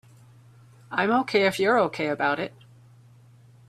I'm OK if you're OK about it.